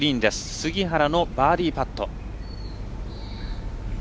杉原のバーディーパット。